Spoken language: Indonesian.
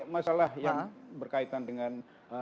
masalah yang berkaitan dengan